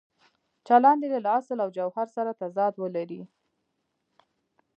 چلند یې له اصل او جوهر سره تضاد ولري.